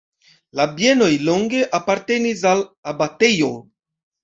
La bienoj longe apartenis al abatejo.